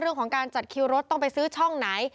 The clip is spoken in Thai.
เรื่องของการจัดคิวรถต้องไปซื้อช่องไหน